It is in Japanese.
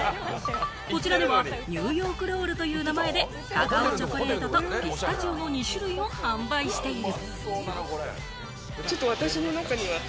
こちらではニューヨークロールという名前でカカオチョコレートとピスタチオの２種類を販売している。